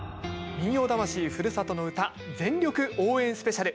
「民謡魂ふるさとの唄全力応援スペシャル」。